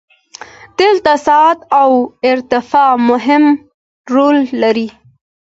دلته سرعت او ارتفاع مهم رول لري.